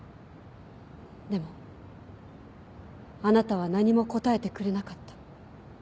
でもあなたは何も答えてくれなかった。